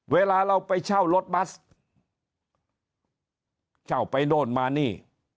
เวลาเราไปเช่ารถบัสเช่าไปโน่นมานี่